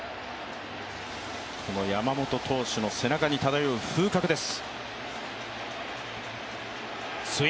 山本投手の背中に漂う風格です。